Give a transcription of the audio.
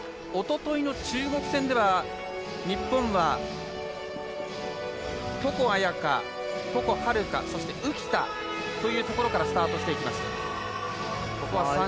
おとといの中国戦では日本は床亜矢可、床秦留可そして浮田というところからスタートしていきました。